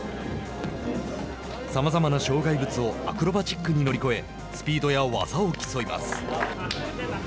さまざまな障害物をアクロバチックに乗り越えスピードや技を競います。